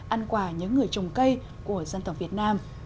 ăn quà nhớ người trồng cây của dân tộc việt nam